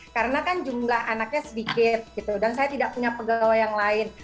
karena kan jumlah anaknya sedikit gitu dan saya tidak punya pegawai yang lain